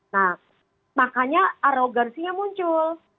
nah makanya arogansinya muncul